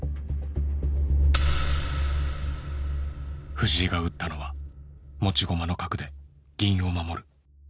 藤井が打ったのは持ち駒の角で銀を守る